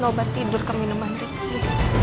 obat tidur ke minuman tinggi